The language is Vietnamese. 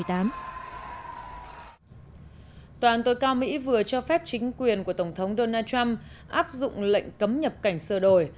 tòa tối cao mỹ vừa cho phép chính quyền của tổng thống donald trump áp dụng lệnh cấm nhập cảnh sơ đổi